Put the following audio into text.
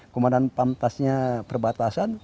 kemudian pamtasnya perbatasan